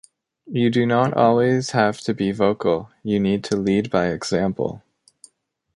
You do not always have to be vocal, you need to lead by example.